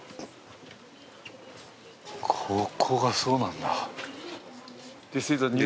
ここがそうなんだ。